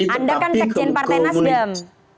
anda kan sekjen partai nasdem